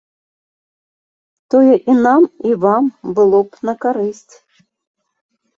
Тое і нам, і вам было б на карысць.